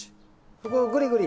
そこをぐりぐり。